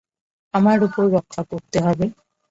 আমার উপর রক্ষা করতে হবে।